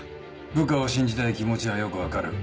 部下を信じたい気持ちはよく分かる。